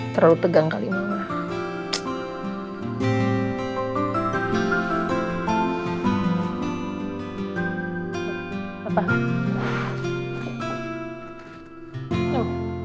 terlalu tegang kali mama